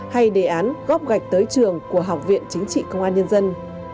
hay đề án góp gạch tới trường của học viện chính trị công an nhân dân